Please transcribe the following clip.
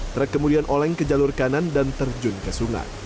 truk kemudian oleng ke jalur kanan dan terjun ke sungai